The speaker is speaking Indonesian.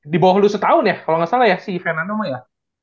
dibawah lo setahun ya kalo nggak salah ya si fernando mah ya